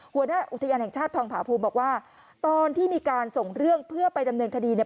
หัวหน้าอุทยานแห่งชาติทองผาภูมิบอกว่าตอนที่มีการส่งเรื่องเพื่อไปดำเนินคดีเนี่ย